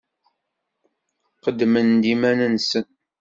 Qeddmen-d iman-nsen.